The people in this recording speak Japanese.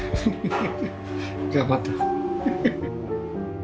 頑張ってる。